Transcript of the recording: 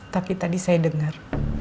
tapi tadi saya dengar